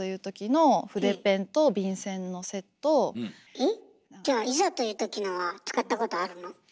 えっじゃあいざというときのは使ったことあるの？